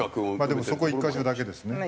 でもそこ１カ所だけですね。